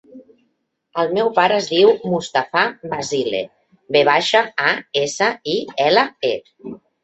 El meu pare es diu Mustafa Vasile: ve baixa, a, essa, i, ela, e.